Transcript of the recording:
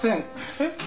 えっ？